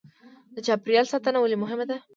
د چاپیریال ساتنه ولې مهمه ده